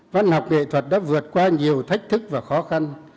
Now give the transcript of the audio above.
văn học nghệ thuật đã vượt qua nhiều thách thức và khó khăn